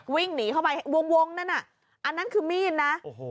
วิ่งหนีเข้าไปวงนั่นน่ะอันนั้นคือมีดนะ